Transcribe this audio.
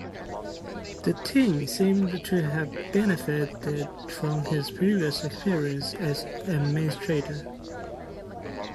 The team seemed to have benefited from his previous experience as administrator.